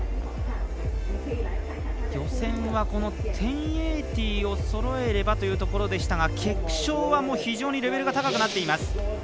予選は、１０８０をそろえればというところでしたが決勝は非常にレベルが高くなっています。